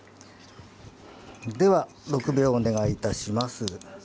では６秒間お願いします。